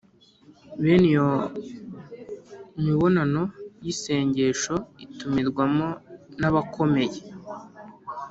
bene iyo mibonano y'isengesho itumirwamo n'abakomeye